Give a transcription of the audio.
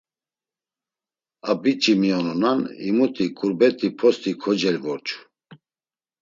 A biç̌i miyonunan himuti ǩurbet̆i post̆i kocelvorçu.